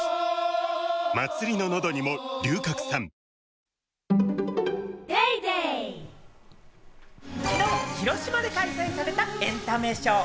ニトリ昨日、広島で開催されたエンタメショー。